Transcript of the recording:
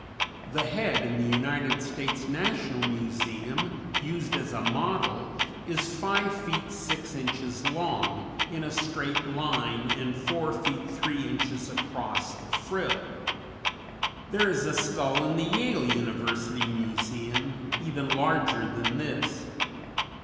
The head in the United States National Museum used as a model is 5 feet 6 inches long in a straight line and 4 feet 3 inches across the frill. There is a skull in the Yale University Museum even larger than this.